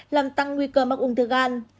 làm tăng nguy cơ mắc uống thư gan